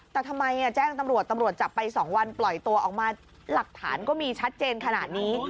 แต่ทำไมแจ้งตำรวจตำรวจจับไป๒วันปล่อยตัวออกมาหลักฐานก็มีชัดเจนขนาดนี้